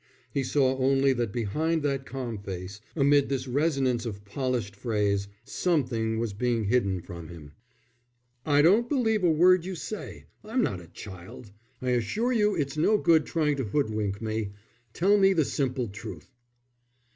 He saw only that behind that calm face, amid this resonance of polished phrase, something was being hidden from him. "I don't believe a word you say. I'm not a child. I assure you it's no good trying to hoodwink me. Tell me the simple truth."